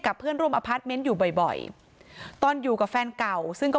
เพื่อนร่วมอพาร์ทเมนต์อยู่บ่อยตอนอยู่กับแฟนเก่าซึ่งก็